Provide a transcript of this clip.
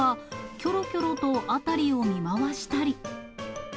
きょろきょろと辺りを見回したり。